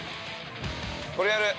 ◆これやる！